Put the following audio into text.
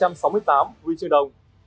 hai trăm sáu mươi tám huy chương đồng